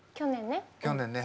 去年ね。